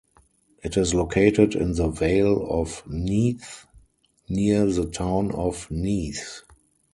It is located in the Vale of Neath near the town of Neath.